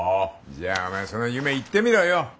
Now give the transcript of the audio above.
じゃあお前その夢言ってみろよ。